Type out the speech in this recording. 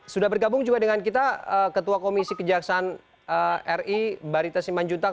sudah bergabung juga dengan kita ketua komisi kejaksaan ri barita simanjuntang